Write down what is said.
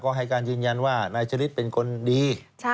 ก็ให้การยืนยันว่านายชะลิดเป็นคนดี